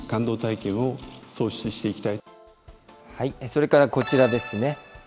それからこちらですね。